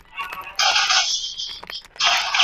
سياسي قدرت د سياستپوهني هسته او مرکز دی.